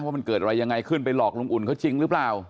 ว่ามันเกิดอะไรยังไงขึ้นไปหลอกลุงอุ่นเขาจริงหรือเปล่า